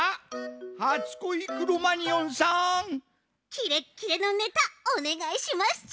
キレッキレのネタおねがいしますち。